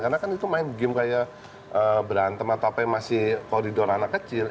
karena kan itu main game kayak berantem atau apa yang masih koridor anak kecil